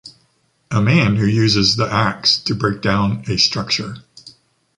A man who uses the ax to break down a structure.